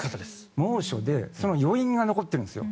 猛暑で、その余韻が残っているんですよ。